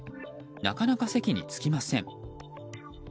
なかなか席につきません。